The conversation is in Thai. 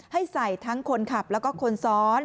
ให้ใส่ทั้งคนขับแล้วก็คนซ้อน